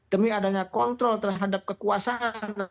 demi adanya kontrol terhadap kekuasaan